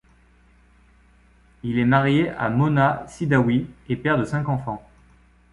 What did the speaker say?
Il est marié à Mona Sidaoui et père de cinq enfants.